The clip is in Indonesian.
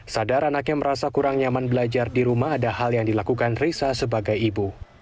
sadar anaknya merasa kurang nyaman belajar di rumah ada hal yang dilakukan risa sebagai ibu